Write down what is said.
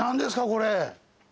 これ。